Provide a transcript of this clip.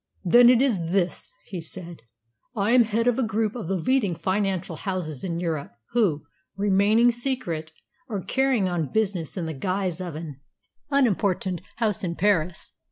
"Then it is this," he said. "I am head of a group of the leading financial houses in Europe, who, remaining secret, are carrying on business in the guise of an unimportant house in Paris.